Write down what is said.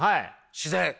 自然。